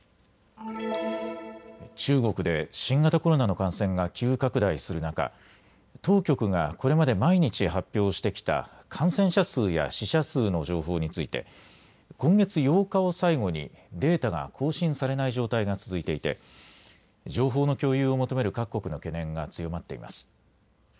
中国で新型コロナの感染が急拡大する中、当局がこれまで毎日発表してきた感染者数や死者数の情報について今月８日を最後にデータが更新されない状態が続いていて情報の共有を求める各国の懸念が強まっています。